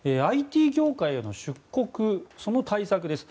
ＩＴ業界への出国その対策です。